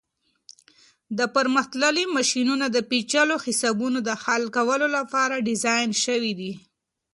دا پرمختللي ماشینونه د پیچلو حسابونو د حل کولو لپاره ډیزاین شوي دي.